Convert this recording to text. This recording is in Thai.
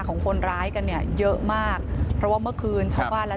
ของคนร้ายกันเนี่ยเยอะมากเพราะว่าเมื่อคืนชาวบ้านและ